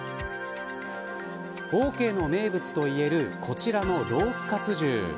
オーケーの名物といえるこちらのロースカツ重。